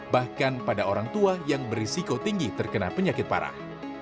bahkan pada orang tua yang berisiko tinggi terkena penyakit parah